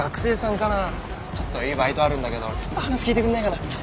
ちょっといいバイトあるんだけどちょっと話聞いてくんないかな？